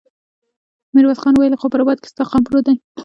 ميرويس خان وويل: خو په رباط کې ستا قوم پروت دی.